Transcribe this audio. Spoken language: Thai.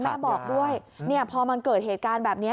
แม่บอกด้วยพอมันเกิดเหตุการณ์แบบนี้